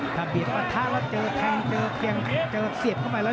ถ้าเบียดประทานแล้วเจอแทงเจอเสียบเข้าไปแล้ว